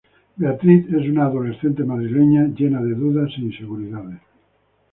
Beatriz es una adolescente madrileña llena de dudas e inseguridades.